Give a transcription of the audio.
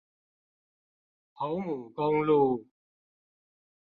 侯牡公路